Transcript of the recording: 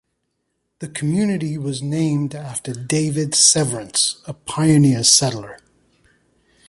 The community was named after David Severance, a pioneer settler.